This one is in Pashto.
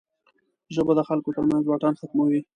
ژبه د خلکو ترمنځ واټن ختموي